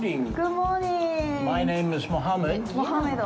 モハメド？